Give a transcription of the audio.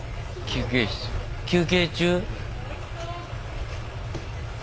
休憩中？